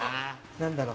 何だろ？